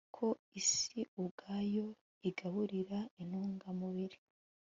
ko isi ubwayo, igaburira intungamubiri